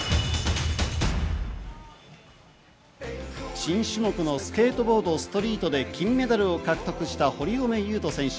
新種目のスケートボード・ストリートで金メダルを獲得した堀米雄斗選手。